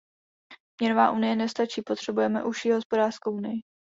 Měnová unie nestačí, potřebujeme užší hospodářskou unii.